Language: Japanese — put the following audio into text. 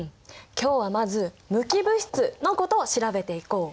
今日はまず無機物質のことを調べていこう。